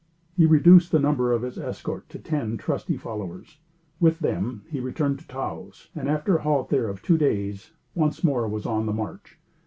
He reduced the number of his escort to ten trusty followers. With them, he returned to Taos, and after a halt there of two days, once more was on the march.